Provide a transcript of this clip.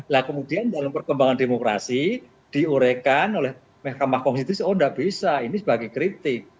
nah kemudian dalam perkembangan demokrasi diurekan oleh mahkamah konstitusi oh tidak bisa ini sebagai kritik